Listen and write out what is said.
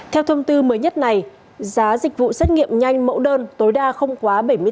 theo thông tư mới nhất này giá dịch vụ xét nghiệm nhanh mẫu đơn tối đa không quá